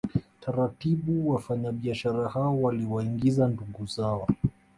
Taratibu wafanyabiashara hao waliwaingiza ndugu zao